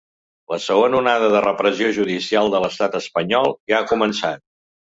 La segona onada de repressió judicial de l’estat espanyol ja ha començat.